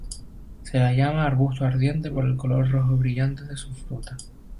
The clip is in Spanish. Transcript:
Se la llama "arbusto ardiente" por el color rojo brillante de su fruta.